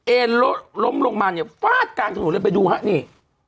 เอลลงมานเนี่ยฟาดกลางถุงหนุนละเป็นดูห้ะนี่